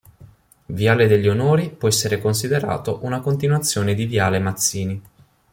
Viale degli Onori può essere considerato una continuazione di Viale Mazzini.